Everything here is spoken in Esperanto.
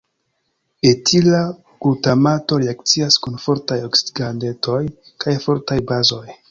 Etila glutamato reakcias kun fortaj oksidigagentoj kaj fortaj bazoj.